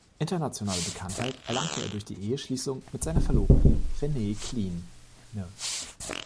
Internationale Bekanntheit erlangte er durch die Eheschließung mit seiner Verlobten Renee Kline.